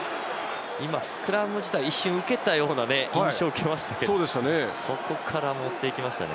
スクラム自体は一瞬、受けたような印象を受けましたけどそこから持っていきましたね。